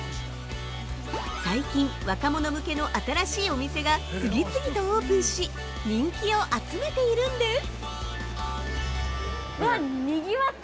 最近、若者向けの新しいお店が次々とオープンし人気を集めているんです。